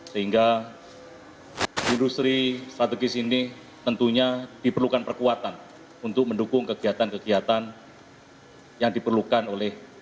sehingga industri strategis ini tentunya diperlukan perkuatan untuk mendukung kegiatan kegiatan yang diperlukan oleh